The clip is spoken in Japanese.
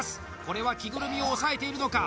これは着ぐるみを押さえているのか？